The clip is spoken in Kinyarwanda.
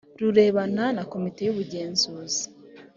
birebana na komite y ubugenzuzi